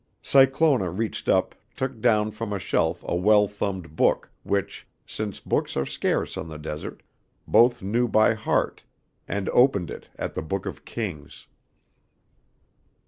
Cyclona reaching up took down from a shelf a well thumbed Book, which, since books are scarce on the desert, both knew by heart, and opened it at the Book of Kings.